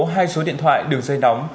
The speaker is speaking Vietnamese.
hai số điện thoại đường dây nóng